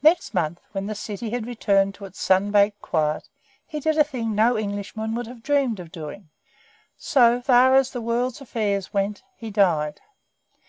Next month, when the city had returned to its sun baked quiet, he did a thing no Englishman would have dreamed of doing; for, so far as the world's affairs went, he died.